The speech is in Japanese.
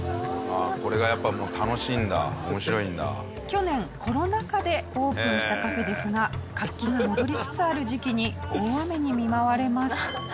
去年コロナ禍でオープンしたカフェですが活気が戻りつつある時期に大雨に見舞われます。